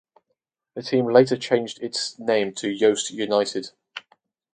The team later changed its name to Yoast United.